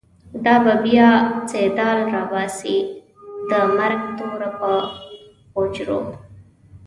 دا به بیا« سیدال» راباسی، د مرگ توره په غوجرو